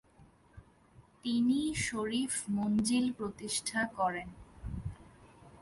তিনি শরিফ মঞ্জিল প্রতিষ্ঠা করেন।